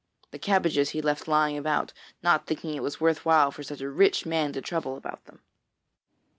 The cabbages he left lying about, not thinking it was worth while for such a rich man to trouble about them.